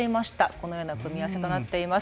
このような組み合わせとなっています。